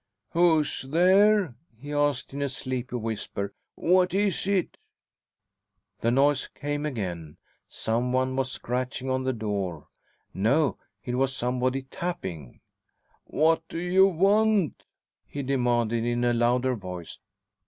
"Who's there?" he asked in a sleepy whisper. "What is it?" The noise came again. Some one was scratching on the door. No, it was somebody tapping. "What do you want?" he demanded in a louder voice.